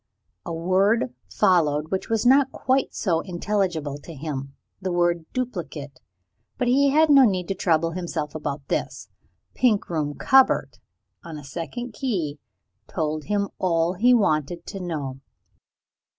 A word followed which was not quite so intelligible to him the word "Duplicate." But he had no need to trouble himself about this. "Pink Room Cupboard," on a second key, told him all he wanted to know.